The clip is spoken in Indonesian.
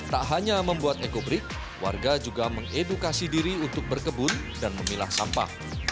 tak hanya membuat ekobrid warga juga mengedukasi diri untuk berkebun dan memilah sampah